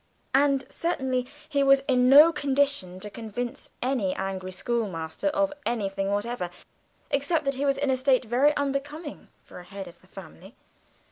And certainly he was in no condition to convince an angry schoolmaster of anything whatever, except that he was in a state very unbecoming to the head of a family.